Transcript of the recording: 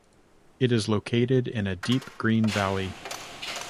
It is located in a deep green valley.